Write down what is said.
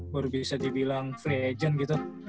baru bisa dibilang free agent gitu